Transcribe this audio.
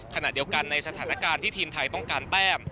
ขณะเดียวกันในสถานการณ์ที่ทีมไทยต้องการแต้ม